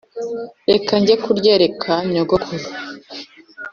Reka njye kuryereka nyogokuru